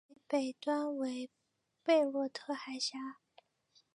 其北端为贝洛特海峡。